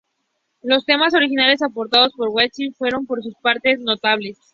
Los temas originales aportados por Giacchino fueron por su parte notables.